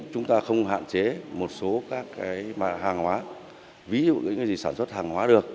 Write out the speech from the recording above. chúng ta không hạn chế một số các hàng hóa ví dụ những sản xuất hàng hóa được